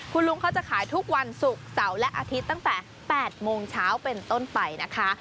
คุณลุงเขาจะขายทุกวันศุกร์เสาร์และอาทิตย์ตั้งแต่๘โมงเช้าเป็นต้นไปนะคะ